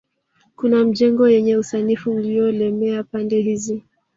Kuna majengo yenye usanifu usioelemea pande hizi